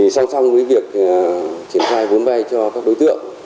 song song với việc triển khai vốn vay cho các đối tượng